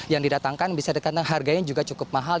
yang didatangkan bisa ditandang harganya juga cukup mahal